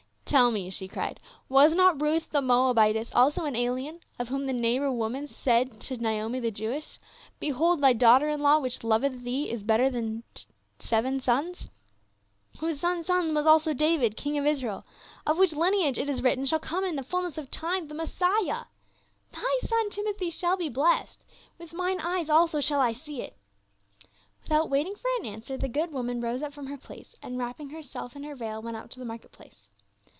"Tell me," she cried, "was not Ruth, the Moabitcss also an alien — of whom the neighbor women said to Naomi, the Jewess, ' Behold, thy daughter in law which loveth thee is better to tliee than seven sons '— whose son's son was also David, King of Israel ; of which lineage, it is written, shall come in the fullness of time the 20 306 PA UL. Messiah. Thy son Timothy shall be blessed ; with mine eyes also shall I sec it." Without waiting for an answer the good woman rose up from her place and wrapping herself in her veil went out to the market place.